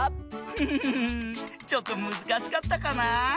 フフフフちょっとむずかしかったかな？